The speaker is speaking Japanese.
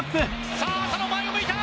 さあ浅野前を向いた！